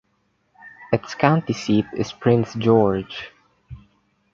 Its county seat is Prince George.